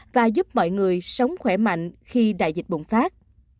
và giúp mọi người sống khỏe mạnh khi đại dịch bùng phát